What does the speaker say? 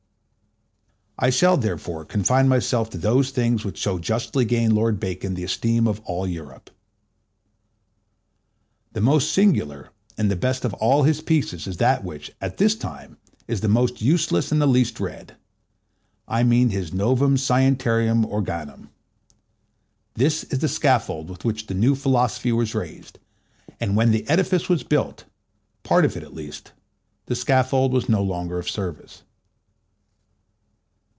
I shall therefore confine myself to those things which so justly gained Lord Bacon the esteem of all Europe.The most singular and the best of all his pieces is that which, at this time, is the most useless and the least read, I mean his Novum Scientiarum Organum. This is the scaffold with which the new philosophy was raised; and when the edifice was built, part of it at least, the scaffold was no longer of service.